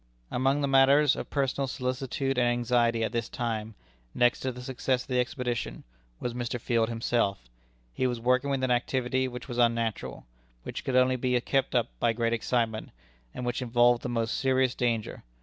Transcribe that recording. Among the matters of personal solicitude and anxiety at this time next to the success of the expedition was Mr. Field himself. He was working with an activity which was unnatural which could only be kept up by great excitement, and which involved the most serious danger.